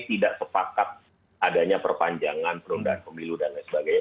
tidak sepakat adanya perpanjangan penundaan pemilu dan lain sebagainya